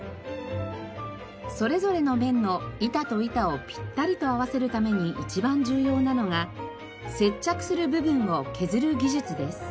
それぞれの面の板と板をぴったりと合わせるために一番重要なのが接着する部分を削る技術です。